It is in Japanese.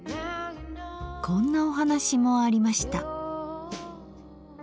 こんなお話もありました。